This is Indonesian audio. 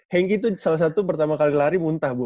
hengki itu salah satu pertama kali lari muntah bu